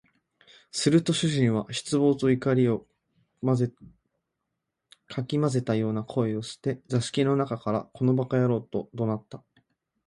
すると主人は失望と怒りを掻き交ぜたような声をして、座敷の中から「この馬鹿野郎」と怒鳴った